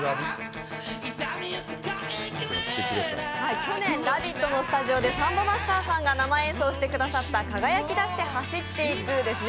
去年「ラヴィット！」のスタジオでサンボマスターさんが生演奏してくださった「輝きだして走ってく」ですね。